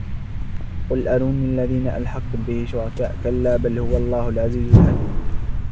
قُلْ أَرُونِيَ الَّذِينَ أَلْحَقْتُمْ بِهِ شُرَكَاءَ كَلَّا بَلْ هُوَ اللَّهُ الْعَزِيزُ الْحَكِيمُ